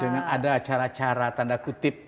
dengan ada cara cara tanda kutip